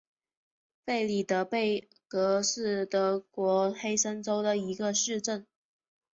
弗里德贝格是德国黑森州的一个市镇。